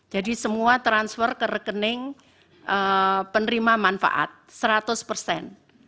semua transfer ke rekening penerima manfaat seratus persen